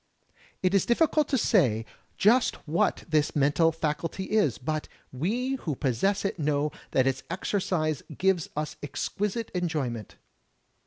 It is difficult to say just what this mental faculty is, but we who possess it know that its exercise gives us exquisite enjoyment.